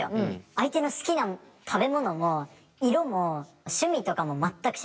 相手の好きな食べ物も色も趣味とかも全く知らない。